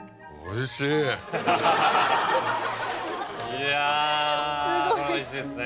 いやおいしいですね。